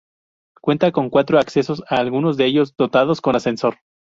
Cuenta con cuatro accesos algunos de ellos dotados con ascensor.